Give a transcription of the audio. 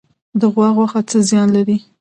د غوا غوښه څه زیان لري؟